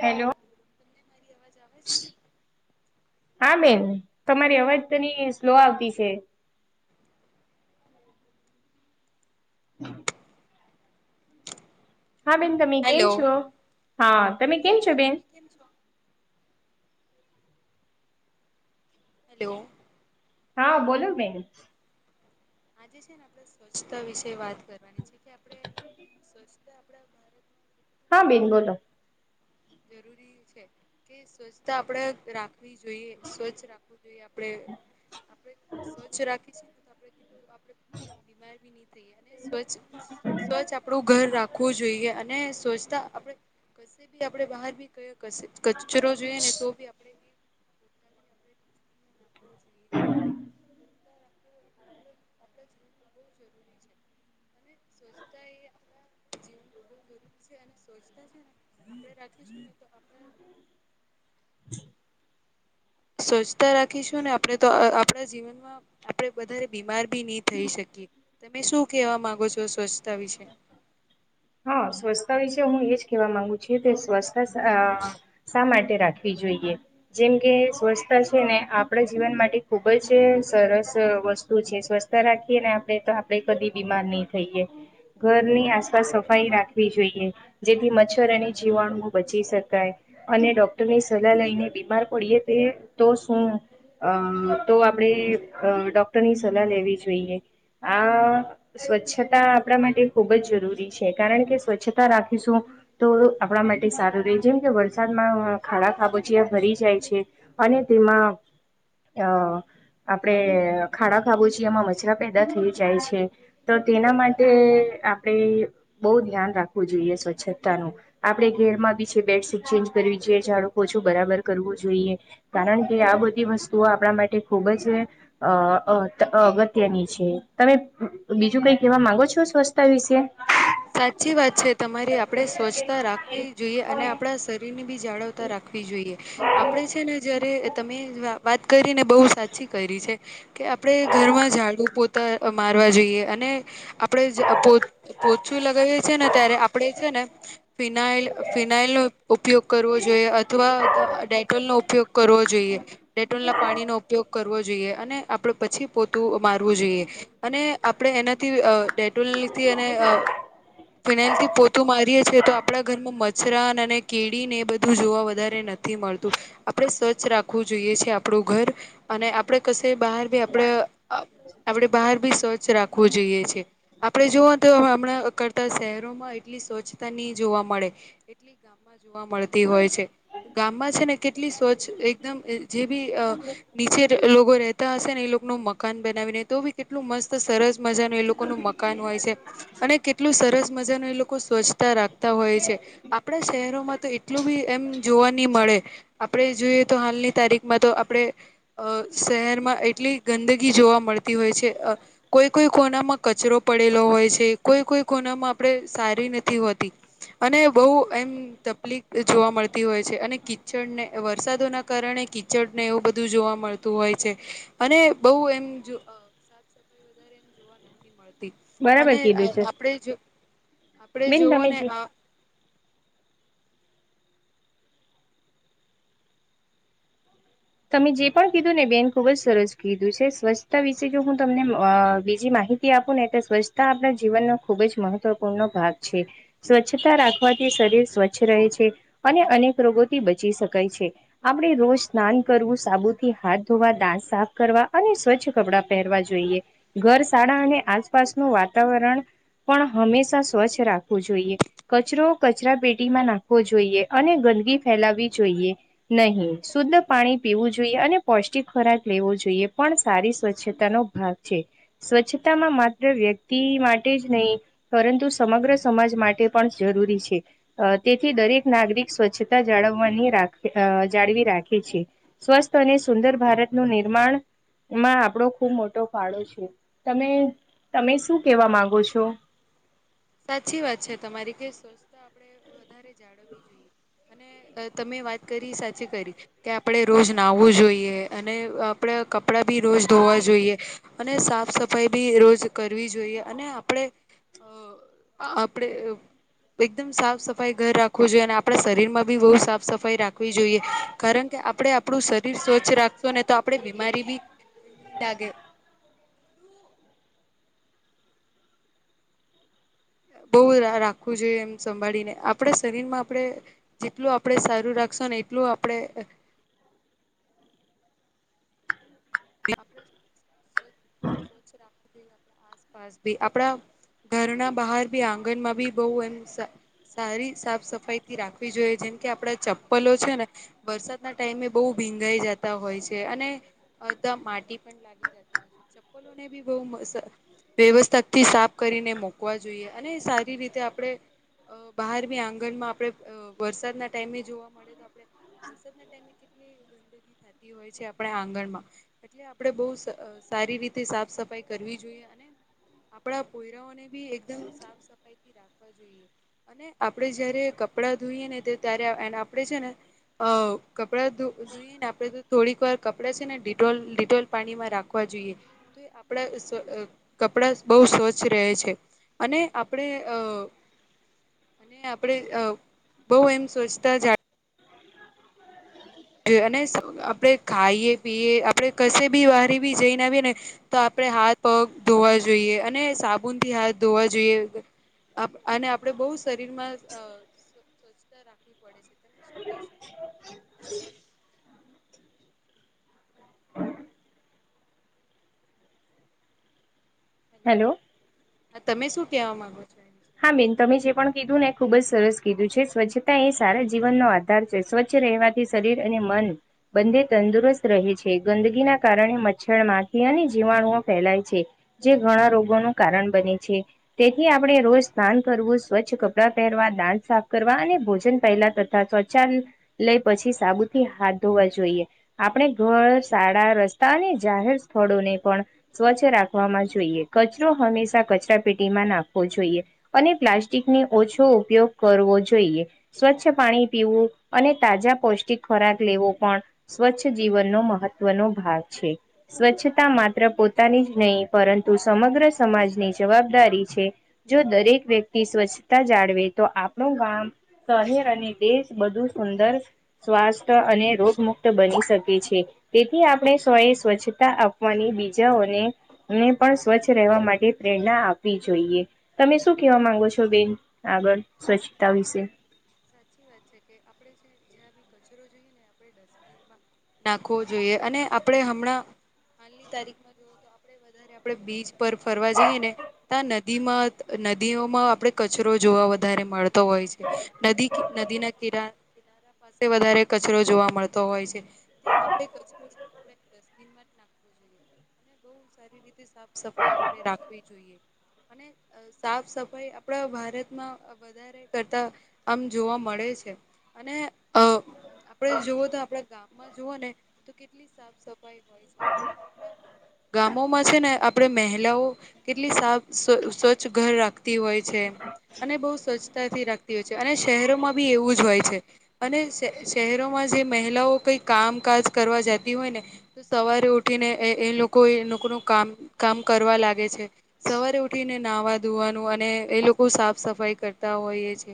Hello તમને અવાજ આવે છે. હા બેન તમારી અવાજ તની સ્લો આવતી છે. હમ [inaudible] [unintelligible] હા બેન તમે કેમ હેલો. છો, હા તમે કેમ છો મજામાં. બેન તમે કેમ છો? હેલો હા બોલોું મે બેન આજે છેને, આપણે સ્વચ્છતા વિશે વાત કરવાની છે કે આપણે સ્વચ્છતા આપડા ભારત હા બીન બોલો જરૂરી છે, કે સ્વચ્છતા આપડે રાખ રા જોઈએ સ્વચ્છ રાખવું જોઈએ આપણે આપણે સ્વચ્છ રાખી છએ, ને તો આપ બીમાર ભી નહી, થઈ અને સ્વચ્છ સ્વચ્છ આપડું ઘર રાખવું જોઈએ અને સ્વચ્છતા આપડે આપણે બહાર, બી ક કચરો જોઈએ ને તો બી આપણે પછીએ [inaudible] [unintelligible] આપણા જીવનમાં બહુ જરૂરી છે. અને સ્વચ્છતા એ આપણા જીવનમાં બહ જરૂરી છે, અને સ્વચ્છતા છેને. આપડે રાખીશું ને તો આપણે જી સ્વચ્છતા રાખીશું ને આપણે તો આપણા જીવનમાં આપણે વધારે બીમાર ભી નહી થઈ શકીએ તમે શું કેહેવા માંગો છો, સ્વચ્છતા વિશે હા, સ્વચ્છતા વિશે હું એજ કેહેવા માંગુ છ કે સ્વચ્થતા શા માટે રાખવી જોઈએ જેમ કે સ્વચ્છતા છેને, આપણા જીવન માટે ખુબ જ સરસ વસ્તુ છે. સ્વ રાખીએ ને આપણે તો આપણે કદી બીમાર નહી, થઈયએ ઘરની આસપાસ સ સાઈ રાખવી જોઈએ, જેથી મચ્છર અને જીવાણુઓ બચી શકાય અને ડોક્ટરની સલાહ લઈને બીમાર પડીએ તે તો શું અ તો આપણેે ડોક્ટરની સલાહ લેવી, જોઈએ. આ સ્વચ્છતા આપણા માટે ખુબ જ જરૂરી છે. કારણ કે સ્વચ્છતા રાખીશું તો આપણા માટે સારું રહે જેમ કે વરસાદમાં ખાડા ખાબો છેી ભરી જાય છે. અને તેમાં અ આપડણે ખાડા ખાબુ છીએ એમાં મચરા પેદા થઈ જાય છે. તો તેના માટે આપણેે બહુ ધ્યાન રાખવું જોઈએ સ્વચ્છતાનું આપડે ઘેર માં બી છે બેડ સટ ચેન્જ કરવી જોએ જાઝડુંકો ઓ છો, બરાબર કરવું જોઈએ કારણ કે આ બધી વસ્તુઓ આપણા માટે ખુબ જ અ અ અગત્યની છે, તમે બીજું કઈ કેવા માંગો છો સ્વચ્છતા વિશે સાચી વાત છે, તમારે આપણેે સ્વચ્છતા રાખવી જોઈએ અને આપણા શરીરની વ રાખ જોઈ આપે છેને, જ તમે વાત કરીને બહુ સાચી કરી છે, કે આપણે ઘરમાં ઝાડું પોતા મારવા જોઈએ અને, આપણે પો ઓછું લગાવીએ છીએ ને ત્યારે આપણે છે ને ફિનાલ ફિનાઇલ નો ઉપયોગ કરવો જોઈએ અથવા, ડાયટોલ નો ઉપયોગ કરવો જોઈએ ડેટોલ ના પાણીનો ઉપયોગ કરવો જોઈએ અને આપડો પછી પોતું મારવું જોઈએ અને આપણે એનાથી ડેટોલથી એને હ [inaudible] ફિનાઇલથી પોતું મારીએ છીએ તો આપણા ઘરમાં મચ્છરાન અને કેળીને એ, બધું જોવા વધારે નથી મળતું આપણે સ્વચ્છ રાખવું જોઈએ છે, આપણું ઘર અને આપણે કશે બહાર બી આપણે આપણેે બહાર ભી સ્વચ્છ રાખવું જોઈએ છે, આપડણે જોઓ તો હમણાં કરતા શહેરોમાં એટલી સ્વચ્છતા નહી જોવા મળે. કેટલી ગામમાં જોવા મળતી હોય છે. ગામમાં છે, ને કેટલી સ્વચ્છ એકદમ જે બી નીચે લોકો ર હશે ને એ લોકો ન મકાન બનાવીને તો બી કેટલું મસ્ત સરસ મજાનું એ લોકો ન મકાન હોય છે. અને કેટલું સરસ મજા ન એ લોકો સ્વચ્છતા રાખતા હોય છે, આપણા શહેરોમાં. તો એટલું બી એમ જોવા નહી મળે આપણે જોઈએ તો હાલની તારીખમાં તો આપણેે. અ શહેરમાં એટલી ગંદગી જોવા મળતી હોય છે. કોઈ કોઈ કોનામાં કચરો પડેલો હોય છે. કોઈ કોઈ કોનામાં આપણે સારી નથી હોતી અને, બહ એમ. તકલીફ જોવા મળતી હોય છે, અને કિચડને વરસાદોના કારણે કિચડને એવું બધું જોવા મળતું. હોય છે, અને બહ એમ. સાફ સફાઈ વધારે એમ જોવા નથી. બરાબર અને કીધું આપ છે આપણે બેન જોવ તમે ને. જે તમે જે પણ કીધું ને બેન ખુબ જ સરસ કીધું છે, સ્વચ્છતા વિશે જો હું તમને બીજી માહિતી. આપુંને એટલે સ્વચ્છતા આપણા જીવનનો ખુબ જ મહત્વપૂર્ણનો ભાગ છે. સ્વચ્છતા રાખવાથી શરીર સ્વચ્છ રહે છે, અને અનેક રોગોથી બચી શકાય છે. આપડી રોજ નાન. કરવું સાબુથી હાથ ધોવા દાંત સાફ કરવા અને સ્વચ્છ કપડાં પહેરવા જોઈએ. ઘર શાળા અને આસપાસનું વાતાવરણ પણ હંમેશા સ્વચ્છ રાખવું જોઈએ કચરો કચરા પેટીમાં નાખવો જોઈએ અને ગંદકીી ફેલાવવી જોઈએ. નહી શુદ્ધ પાણી પીવું જોઈએ અને પૌષ્ટિક ખોરાક લેવો જોઈએ પણ સારી સ્વચ્છતા નો ભાગ છે. સ્વચ્છતા માં માત્ર વ્યક્તિ માટે જ નહીં. પરંતુ સમગ્ર સમાજ માટે પણ જરૂરી છે. અ તેથી દરેક નાગરિક સ્વચ્છતા જાળવવાની રાખ જાળવી રાખે છે. સ્વસ્થ અને, સુંદર ભારતનું નિર્માણ માં આપણો ખૂબ મોટો ફાળો છે તમે તમે શું કેવા માંગો છો સાચી વાત છે તમારી કે સ્વચથતા આપણે વધારે જાળવવી જોઈએ. તમે વાત કરી સાચી કરી. કે આપણે રોજ નાહવું જોઈએ અને, આપડા કપડા બી રોજ ધોવા જોઈએ. અને સાફ સફાઈ બી રોજ કરવી જોઈએ અને આપણે હ. આપડ એકદમ સાફ સફાઈ ઘર રાખવું જોઈએ અને આપણા શરીર માં બી બહુ સાફ સફાઈ રાખવી જોઈએ. કારણ કે આપડણે આપણું શરીર સ્વચ્છ રાખશો ને તો આપડે બીમારી બી નહી લાગે બહ રાખવું જોઈએ એમ સંભાળીને આપણા શરીર માં આપણે જેટલું આપણે સારું રાખશો ને એટલું આપણે સ્વચછ રા જોઈએ આસપાસ ભી આપડા. ઘરના બહાર ભી આંગણ માં બી બહ એમ સારી સાફ સફાઈ થી રાખવી જોઈએ જેમ કે આપડા ચપ્પલો છે ને. વરસાદના ટાઈમે બહુ ભીંગાઈ જતા હોય છે, અને અ માટી પણ લાગી જતી હોય છે, ચપ્પલો ને બી બહ વ્યવસ્થાક થી સાફ કરીને મુકવા જોઈએ અને સારી રીતે આપણે. અ બહાર બી આંગણમાં આપણે વરસાદના ટાઈમે જોવા મળે તો આપણે વરસાદના ટાઈમ. કેટલી ગંદગી થતી હોય છે, આપણા આંગણ માં. એટલે આપડે બહ સારી રીતે સાફ સફાઈ કરવી જોઈએ અને. આપણા કોયરાઓને બી એકદમ સાફ સફાઈથી રાખવા જોઈએ. અને આપણેે જયારે કપડાં ધોઈએ ને ત્યારે આપણે છે ને અ કપડાં ધોઈએ ને આપડે તો થોડીક વાર કપડાં છે ને ઢોલ લિટોલ પાણીમાં રાખવા જોઈએ. આપણા અ કપડા બહુ સ્વચ્છ રહે છે. અને આપણે અ અને આપડે અ બહુ એમ સોચતા જા. અને, આપણેે ખાઈએ પીએ આપણે કશે બી બારે બી જઈને આવીએ ને તો આપણે હાથ પગ ધોવા જોઈએ અને, સાબુન થી હાથ ધોવા જોઈએ અને આપણે બહુ શરીર માં સ્વચ્છતા રાખવી પડે છે, તમે શું કેશો? હેલો તમે શું કેહવા માંગો છો? હા, બેન તમે જે પણ કીધું ને એ ખુબ જ સરસ કીધું છે, સ્વચ્છતા એ સારા જીવનનો આધાર સ્વચ્છ રહેવાથી શરીર અને મન બંદે તંદુરસ્ત રહે છે, ગંદકીના કારણે મચ્છર માખી અને જીવાણુઓ ફેલાય છે. જે ઘણા રોગોનું કારણ બને છે, તેથી આપણે રોજ સ્નાન કરવું સ્વચ્છ કપડાં પહેરવા દાંત સાફ કરવા અને ભોજન પહેલા તથા સ્વછ લઈ પછી, સાબુથી હાથ ધોવા જોઈએ આપણે ઘર શાળા રસ્તા અને, જાહેર સ્થળોને પણ સ્વચ્છ રાખવામાં જોઈએ કચરો હંમેશા કચરા પેટીમાં, નાખવો જોઈએ. અને, પ્લાસ્ટિકને ઓછો ઉપયોગ કરવો જોઈએ. સ્વચ્છ પાણી પીવું અને, તાજા પૌષ્ટિક ખોરાક લેવો પણ સ્વચ્છ જીવનનો મહત્વનો ભાગ છે. સ્વચ્છતા માત્ર પોતાની જ નહીં પરંતુ સમગ્ર સમાજની જવાબદારી છે. જો દરેક વ્યક્તિ સ્વચ્છતા જાળવે તો આપણું ગામ શહેર અને દેશ બધું સુંદર સ્વાસ્થ્ય અને રોગમુક્ત બની શકે છે. તેથી આપણે સ્વયે સ્વચ્છતા આપવાની બીજાઓને ને પણ સ્વચ્છ રહેવા માટે, પ્રેરણા આપવી જોઈએ તમે શ શું કેહવા માંગો છો, બેન આગળ સ્વચ્છતા વિશે સાચી વાત છે, કે આપડે જે જ્યાં બી કચરો જોઈએ ને, આપડે ડસ્ટબિન નાખવો જોઈએ અને આપણે હમણાં હાલની તારીખમાં જોવો તો આપણે વધારે આપણે બીચ પર ફરવા જઈએ ને ત્યાં ન નદીમાં નદીઓમાં આપણે કચરો જોવા વધારે મળતો હોય છે. નદી ના કિરા કિનારા પાસે વધારે કચરો જોવા મળતો હોય છે તે આપડે કચરો છે, ને આપડે ડસ્ટબિન માં જ રાખવુ જોઈએ અને બહુ સારી રીતે સાફ સફાઈ આપણે રાખવી જોઈએ અને, સાફ સફાઈ આપડા ભારતમાં વધારે કરતા આમ જોવા મળે છે અને, અ આપણે જુવો તો આપણા ગામમાં જ જુઓ ને તો કેટલી સાફ સફાઈ હોય છે અને, આપડા ગામોમાં છે, ને આપણેે મેહલાઓ કેટલી સાફ સ્વ સ્વચ્છ ઘર રાખતી હોય છે અને બહુ સ્વચ્છતાથી રાખતી હોય છે. અને શહેરોમાં બી એવું જ હોય છે. અને શ શહેરોમાં જે મહિલાઓ કઈ કામકાજ કરવા જતી હોય ને તો સવારે ઉઠી ને એ એ લોકો એ લોકો નું કામ કામ કરવા લાગે છે. સવારે ઉઠીને નાહવા ધોવાનું અને એ લોકો સાફ સફાઈ કરતા હોઈએ છે.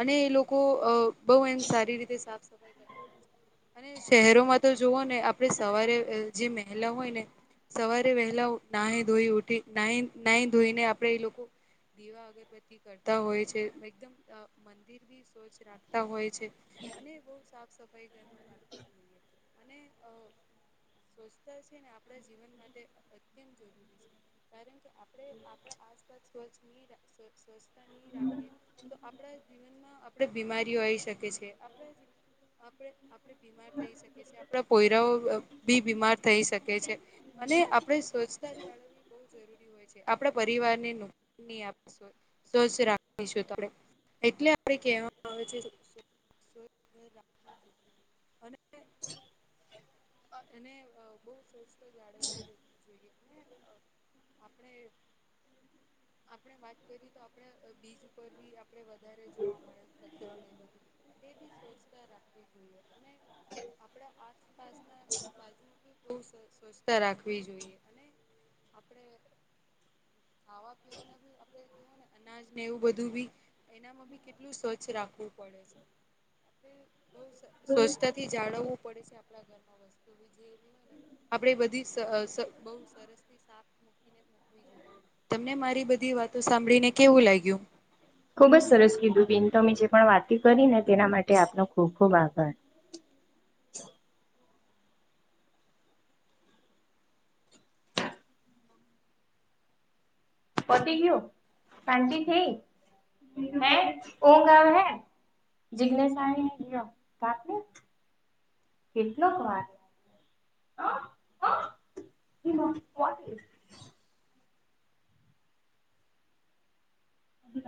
અને એ લોકો અ બહુ એમ સારી રીતે સાફ સફાઈ કરતા હોય છે. અને શહેરોમાં તો જુવો ને આપણે સવારે જે મહેલા હોય, ને સવારે વહેલા નાહી, ધોઈ ઉઠી ના નાહી ધોઈને આપે એ લોકો દીવા અગરબત્તી કરતા હોય છે. એકદમ અ મંદિર બી સ્વચ્છ રાખતા હોય છે. અને બહુ સાફ સફાઈ ઘરમાં રાખવી જોઈએ અને અ સ્વચ્છતા છેને, આપણા જીવન માટે અત્યંત જરૂરી છે. કારણ કે આપડે આપણા આસપાસ સ્વચ્છ નહી, રાખ સ્વચ્છ છતા નહી, રાખીએ તો આપડા આપણે બીમારીઓ આવી શકે છે, આપ આપ આપણેે બીમાર થઈ. આપડા કોયરાઓ બી બીમાર થઈ શકે છે. અને આપડે સ્વચ્છતા જાળવી બહ જરૂરી હોય છે. આપણે પરિવારને ન આપ સ્વચ્છ રાખીશું એટલે આપડ કેવા આવે છે. રાખ જો અને અનેને બહ સવસ્તો, જાળવવી જોઈએને આપડે આપણે વાત કરીએ તો આપણે બીજ ઉપર બી આપડે વધારે જોવા, મળે કચરો એ બધું એ બી સ્વચ્છતા રાખવી જોઈએ, અને આપડા આસપાસ બાજ બ સ્વચછતા રાખવી જોઈએ અને આપણે ખાવા પવાના બી આપવાને અનાજને એવું બધું બી ી કેટલું સ્વચ્છ રાખવું પડે છે, આપ બહ સ્વચ્છતા થી જાળવવું પડે છે. આપણા ઘર આપે બધી બ સરસ થી તમને મારી બધી વાતો સાંભળીને કેવું લાગ્યુ ખુબ જ સરસ કીધું બિન તોમે જે પણ વાતી, કરી ને તેના માટે આપનો ખૂબ ખૂબ આભાર પતી કયું શાંત થઈ હે કો ગા હે જિગ્ઞેશ કાપને કેટલોક વાર હ હ હ